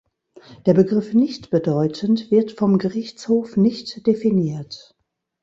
Der Begriff "nichtbedeutend" wird vom Gerichtshof nicht definiert.